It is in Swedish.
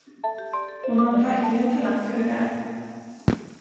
Hon har verkligen talang för det där.